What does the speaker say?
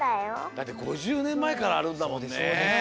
だって５０ねんまえからあるんだもんね。